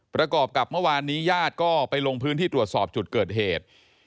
ประกอบกับเมื่อวานนี้ญาติก็ไปลงพื้นที่ตรวจสอบจุดเกิดเหตุ